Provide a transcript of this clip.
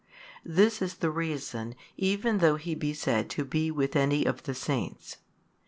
this is the reason, even though He be said to be with any of the saints.